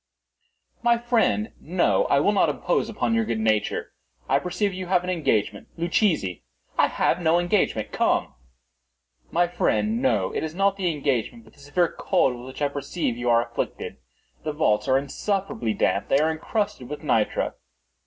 "My friend, no; I will not impose upon your good nature. I perceive you have an engagement. Luchesi—" "I have no engagement;—come." "My friend, no. It is not the engagement, but the severe cold with which I perceive you are afflicted. The vaults are insufferably damp. They are encrusted with nitre."